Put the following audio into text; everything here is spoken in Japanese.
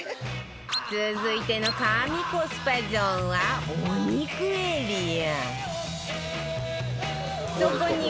続いての神コスパゾーンはお肉エリア